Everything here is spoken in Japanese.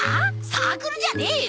サークルじゃねえよ。